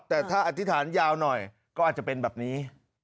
แต่ถ้าอธิษฐานยาวหน่อยก็อาจจะเป็นแบบนี้